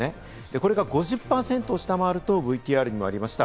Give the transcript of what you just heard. これが５０％を下回ると、ＶＴＲにもありました